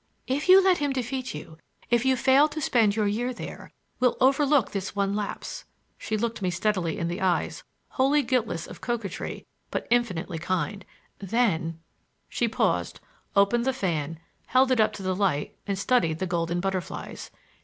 "If you let him defeat you, if you fail to spend your year there,—we'll overlook this one lapse,"—she looked me steadily in the eyes, wholly guiltless of coquetry but infinitely kind,—"then,—" She paused, opened the fan, held it up to the light and studied the golden butterflies.